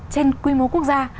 trên quy mô quốc gia